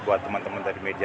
buat teman teman dari meja